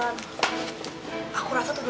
nanti aku mau ngefitnah